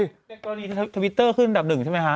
เก่าดีทวิตเตอร์ขึ้นดับหนึ่งใช่ไหมคะ